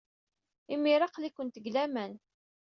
Imir-a, aql-ikent deg laman.